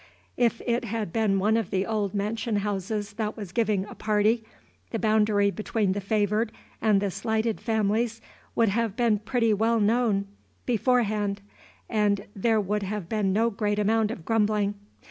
If it had been one of the old mansion houses that was giving a party, the boundary between the favored and the slighted families would have been known pretty well beforehand, and there would have been no great amount of grumbling.